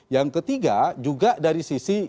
yang ketiga juga dari sisi